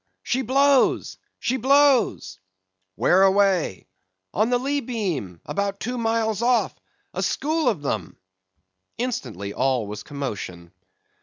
she blows! she blows!" "Where away?" "On the lee beam, about two miles off! a school of them!" Instantly all was commotion.